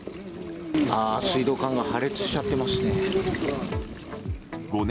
水道管が破裂しちゃってますね。